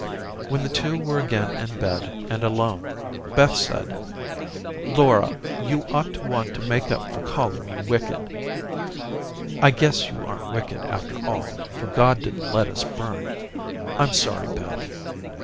When the two were again in bed and alone, Beth said; "Laura, you ought to want to make up for calling me wicked." "I guess you aren't wicked, after all, for God didn't let us burn. I'm sorry, Beth."